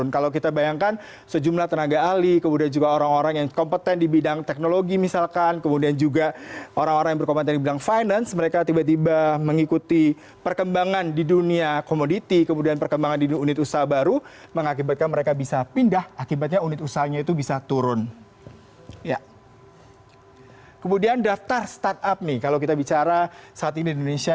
kalau kita bicara saat ini di indonesia